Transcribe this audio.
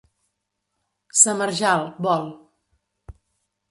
Sa Marjal, Vol.